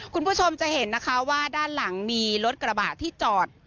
คุณผู้ชมจะเห็นนะคะว่าด้านหลังมีรถกระบะที่จอด